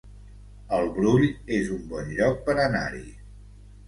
El Brull es un bon lloc per anar-hi